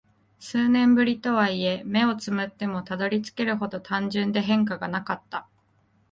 数年ぶりとはいえ、目を瞑ってもたどり着けるほど単純で変化がなかった。